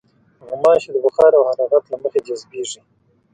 غوماشې د بخار او حرارت له مخې جذبېږي.